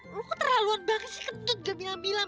lo kok terlaluan banget sih kentut gak bilang bilang